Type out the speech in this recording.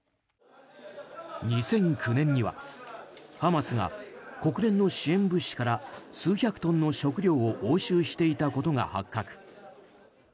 ２００９年にはハマスが国連の支援物資から数百トンの食料を押収していたことが発覚。